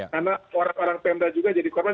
karena orang orang pmda juga jadi korban